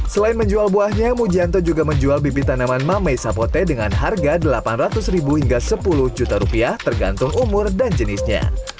selain menjual buahnya mujianto juga menjual bibit tanaman mamei sapote dengan harga delapan ratus ribu hingga sepuluh juta rupiah tergantung umur dan jenisnya